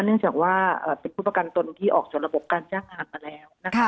เนื่องจากว่าเป็นผู้ประกันตนที่ออกจากระบบการจ้างงานมาแล้วนะคะ